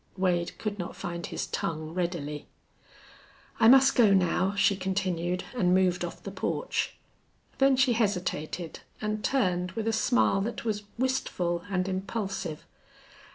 Wade could not find his tongue readily. "I must go now," she continued, and moved off the porch. Then she hesitated, and turned with a smile that was wistful and impulsive.